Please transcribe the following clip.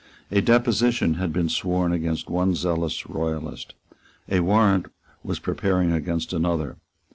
A deposition had been sworn against one zealous royalist. A warrant was preparing against another.